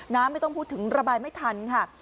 ไม่ต้องพูดถึงระบายไม่ทันค่ะ